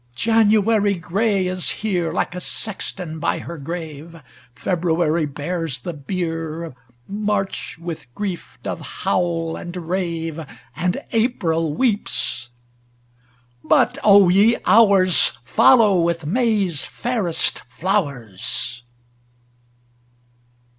IV January gray is here. Like a sexton by her grave; February bears the bier, March with grief doth howl and rave, And April weeps ŌĆö but, O ye hours ! Follow with May's fairest flowers.